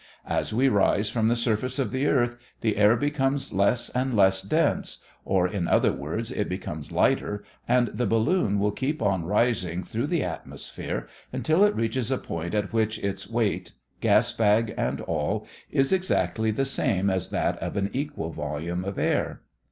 As we rise from the surface of the earth, the air becomes less and less dense, or, in other words, it becomes lighter, and the balloon will keep on rising through the atmosphere until it reaches a point at which its weight, gas bag and all, is exactly the same as that of an equal volume of air.